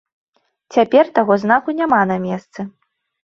Цяпер таго знаку няма на месцы.